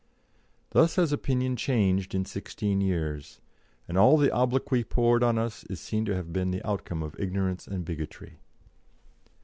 Thus has opinion changed in sixteen years, and all the obloquy poured on us is seen to have been the outcome of ignorance and bigotry.